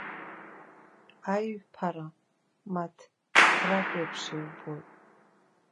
Аиҩԥара маҭ ҭрак еиԥш иубоит.